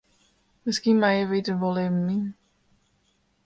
Miskien meie we der wol even yn.